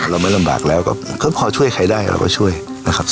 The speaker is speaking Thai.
เราไม่ลำบากแล้วก็พอช่วยใครได้เราก็ช่วยนะครับ